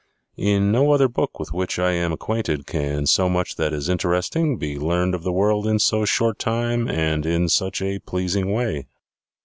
In no other book with which I am acquainted can so much that is interesting be learned of the world in so short time and in such a pleasing way.